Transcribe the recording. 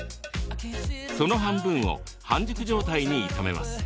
その半分を半熟状態に炒めます。